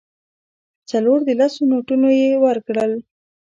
څلور د لسو نوټونه یې ورکړل.